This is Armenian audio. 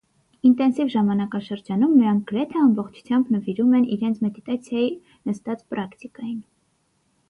Ինտենսիվ ժամանակաշրջանում նրանք գրեթե ամբողջությամբ նվիրում են իրենց մեդիտացիայի նստած պրակտիկային։